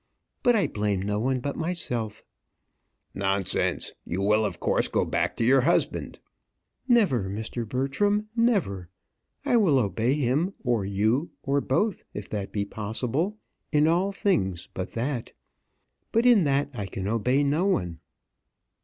But I blame no one but myself." "Nonsense! you will of course go back to your husband." "Never, Mr. Bertram never! I will obey him, or you, or both, if that be possible, in all things but in that. But in that I can obey no one."